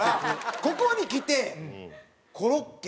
ここにきてコロッケ。